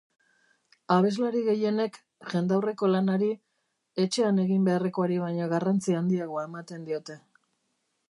Abeslari gehienek jendaurreko lanari, etxean egin beharrekoari baino garrantzi handiagoa ematen diote.